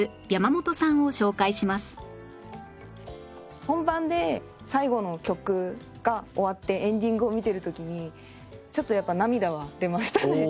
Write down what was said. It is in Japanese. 本番で最後の曲が終わってエンディングを見ている時にちょっとやっぱり涙は出ましたね。